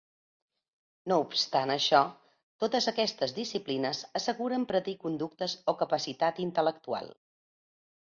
No obstant això, totes aquestes disciplines asseguren predir conductes o capacitat intel·lectual.